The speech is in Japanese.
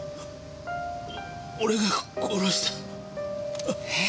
お俺が殺した。え！？